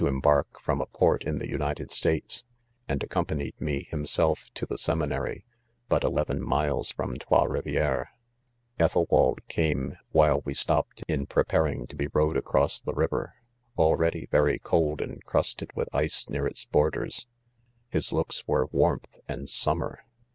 embarJc from 'a port in th§;pnited ; States,, and accompanied me himV self, to the seminary, but eleven, mite from, Trois Rivieres^ 4 Ethelwald came, ,ivlMle:'wefstopped:'in; pre^ : paring; to be rrowed; across the. ri ver^ ■: already very? cold and crusted; withice near it& borders.'. His loofes , wer e>warmth and summer.